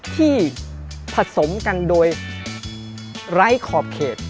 ที่ผสมกันโดยไร้ขอบเขต